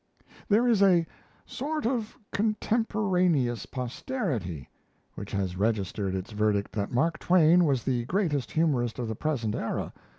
There is a "sort of contemporaneous posterity" which has registered its verdict that Mark Twain was the greatest humorist of the present era.